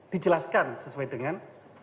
dijelaskan sesuai dengan